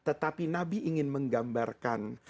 tetapi nabi ingin menggambarkan